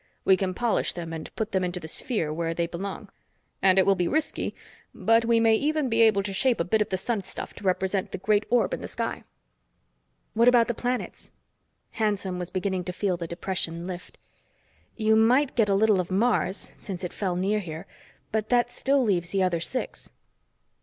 We can polish them and put them into the sphere where they belong. And it will be risky, but we may even be able to shape a bit of the sun stuff to represent the great orb in the sky." "What about the planets?" Hanson was beginning to feel the depression lift. "You might get a little of Mars, since it fell near here, but that still leaves the other six."